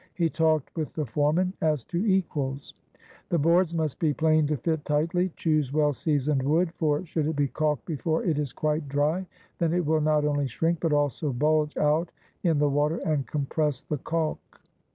He talked with the foremen as to equals. "The boards must be planed to fit tightly. Choose well seasoned wood; for should it be caulked before it is quite dry, then it will not only shrink, but also bulge out in the water and compress the caulk."